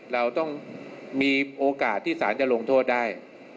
เราต้องมีโอกาสที่สารจะลงโทษได้